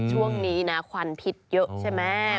ช่วงนี้นะควันพิษเยอะใช่ไหม